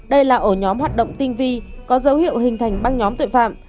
đây là ổ nhóm hoạt động tinh vi có dấu hiệu hình thành băng nhóm tội phạm